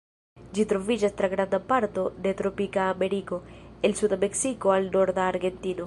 Ĝi troviĝas tra granda parto de tropika Ameriko, el suda Meksiko al norda Argentino.